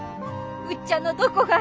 うっちゃのどこが。